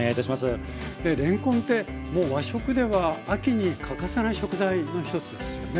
でれんこんってもう和食では秋に欠かせない食材の一つですよね。